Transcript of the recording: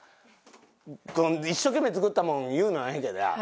この一生懸命作ったもん言うの悪いけどや。